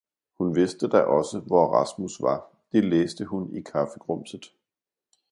Hun vidste da også, hvor Rasmus var, det læste hun i kaffegrumset.